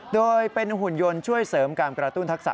โดยเป็นหุ่นยนต์ช่วยเสริมการกระตุ้นทักษะ